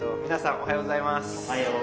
おはようございます。